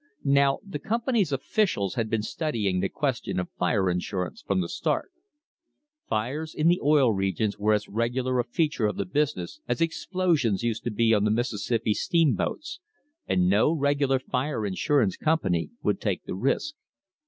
Now the company's officials had been studying the question of fire insurance from the start. Fires in the Oil Regions were as regular a feature of; the business as explosions used to be on the Mississippi steam boats, and no regular fire insurance company would take the: risk.